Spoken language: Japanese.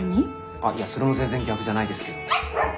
あっいやそれも全然「逆」じゃないですけど。